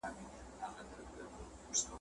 خو زه دي ونه لیدم ,